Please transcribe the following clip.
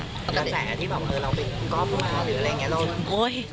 หลังจากนั้นที่บอกว่าเราเป็นก๊อปคุณเปราะความสุขอะไรอย่างนี้หรืออะไรเนี่ย